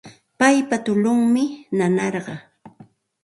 Paypa tullunmi nanarqan